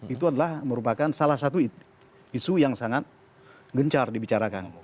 itu adalah merupakan salah satu isu yang sangat gencar dibicarakan